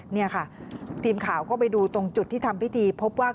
นี่ค่ะทีมข่าวก็ไปดูตรงจุดที่ทำพิธีพบว่า